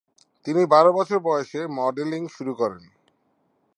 তিনি বারো বছর বয়সে মডেলিং শুরু করেন।